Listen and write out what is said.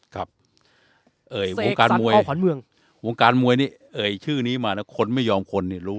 ครับเอ่ยวงการมวยขวัญเมืองวงการมวยนี่เอ่ยชื่อนี้มาแล้วคนไม่ยอมคนเนี่ยรู้